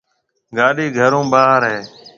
گاڏيِ گهر هون ٻاهر هيَ۔